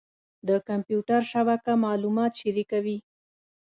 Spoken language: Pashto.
د کمپیوټر شبکه معلومات شریکوي.